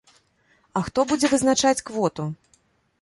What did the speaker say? І хто будзе вызначаць квоту?